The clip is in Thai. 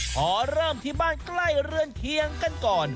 ขอเริ่มที่บ้านใกล้เรือนเคียงกันก่อน